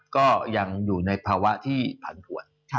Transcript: ก็ยังอยู่ในภาวะที่ผันผวน